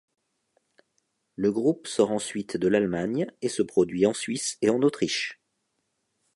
Le groupe sort ensuite de l'Allemagne et se produit en Suisse et en Autriche.